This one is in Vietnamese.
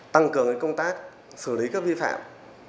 tăng cường công tác xử lý các vi phạm